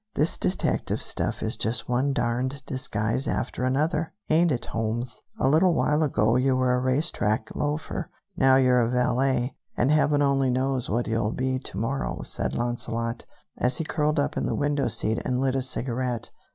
"This detective stuff is just one darned disguise after another, ain't it, Holmes? A little while ago you were a race track loafer, now you're a valet, and Heaven only knows what you'll be to morrow," said Launcelot, as he curled up in the window seat and lit a cigarette.